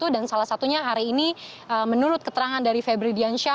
dan salah satunya hari ini menurut keterangan dari febri diansyah